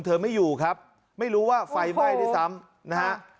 ไม่อยู่ครับไม่รู้ว่าไฟไหม้ด้วยซ้ำนะฮะ